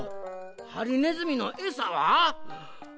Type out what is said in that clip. ハリネズミのエサは？